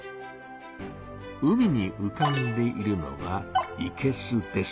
海にうかんでいるのは「いけす」です。